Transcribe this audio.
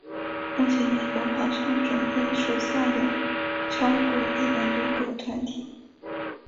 目前美国华商总会属下有超过一百多个团体。